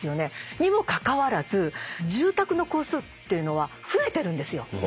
にもかかわらず住宅の戸数っていうのは増えてるんですよ。